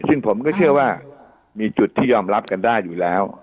ซึ่งผมก็เชื่อว่ามีจุดที่ยอมรับกันได้อยู่แล้ว